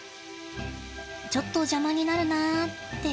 ちょっと邪魔になるなって。